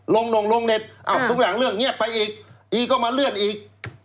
นงลงเน็ตทุกอย่างเรื่องเงียบไปอีก็มาเลื่อนอีก